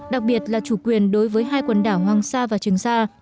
đặc biệt là chủ quyền đối với hai quần đảo hoàng sa và trường sa